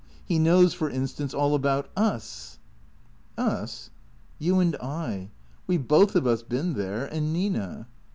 He knows, for instance, all about us." " Us ?"" You and I. We 've both of us been there. And Nina."